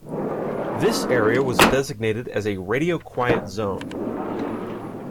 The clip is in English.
This area was designated as a radio quiet zone.